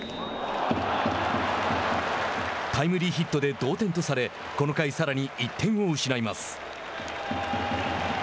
タイムリーヒットで同点とされこの回、さらに１点を失います。